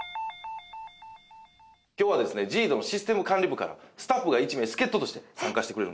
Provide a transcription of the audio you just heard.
今日はですねＪＩＤＯのシステム管理部からスタッフが１名助っ人として参加してくれるんです。